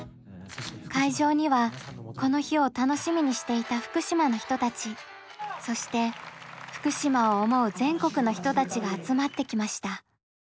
会場にはこの日を楽しみにしていた福島の人たちそして福島を思う全国の人たちが集まってきました。